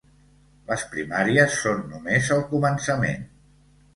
Les primàries són només el començament.